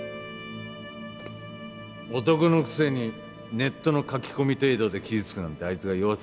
男のくせにネットの書き込み程度で傷つくなんてあいつが弱すぎるんだ。